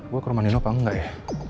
gue ke rumah neno apa enggak ya